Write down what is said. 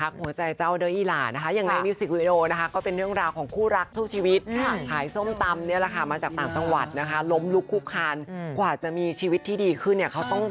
กำลังใจกับคนสู้ชีวิตในหลักหลายอาชีพจริง